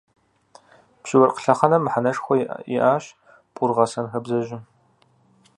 Пщы-уэркъ лъэхъэнэм мыхьэнэшхуэ иӏащ пӏургъэсэн хабзэжьым.